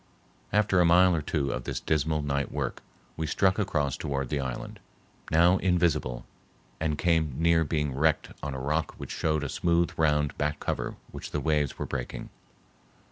After a mile or two of this dismal night work we struck across toward the island, now invisible, and came near being wrecked on a rock which showed a smooth round back over which the waves were breaking.